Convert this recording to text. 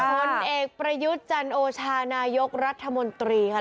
ผลเอกประยุทธ์จันโอชานายกรัฐมนตรีค่ะ